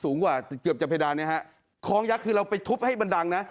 สูงกว่าเกือบจะเพดานเนี่ยฮะคล้องยักษ์คือเราไปทุบให้มันดังนะ